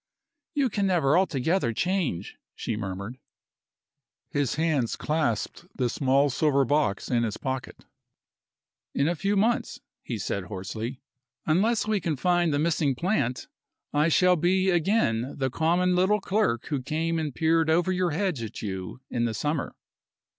"You can never altogether change," she murmured. His hands clasped the small silver box in his pocket. "In a few months," he said hoarsely, "unless we can find the missing plant, I shall be again the common little clerk who came and peered over your hedge at you in the summer."